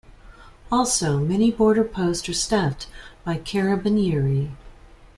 Also, many border posts are staffed by "Carabinieri".